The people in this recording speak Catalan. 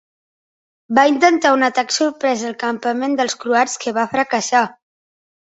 Va intentar un atac sorpresa al campament dels croats que va fracassar.